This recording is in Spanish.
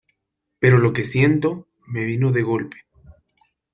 pero lo que siento me vino de golpe ,